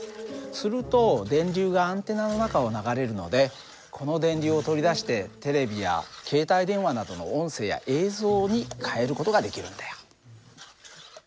すると電流がアンテナの中を流れるのでこの電流を取り出してテレビや携帯電話などの音声や映像に変える事ができるんだよ。